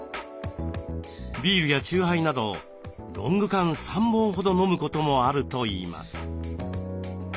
ビールやチューハイなどロング缶３本ほど飲むこともあるといいます。